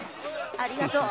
ありがとう！